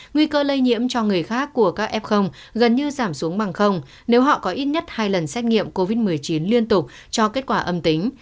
nguy cơ lây nhiễm cho người khác của các f gần như giảm xuống bằng nếu họ có ít nhất hai lần xét nghiệm covid một mươi chín liên tục cho kết quả âm tính